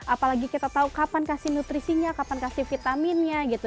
apalagi kita tahu kapan kasih nutrisinya kapan kasih vitaminnya gitu